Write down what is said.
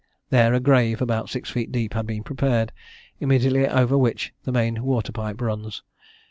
There a grave, about six feet deep, had been prepared, immediately over which the main water pipe runs.